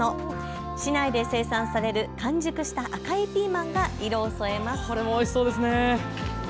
市内で生産される完熟した赤いピーマンが色を添えます。